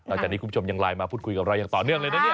ตอนนี้คุณผู้ชมยังไลน์มาพูดคุยกับเราอย่างต่อเนื่องเลยนะเนี่ย